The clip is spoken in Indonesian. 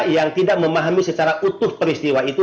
yang tidak memahami secara utuh peristiwa itu